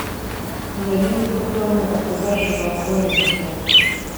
nari nzi ko tom atazashobora kubona inguzanyo.